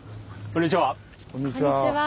こんにちは。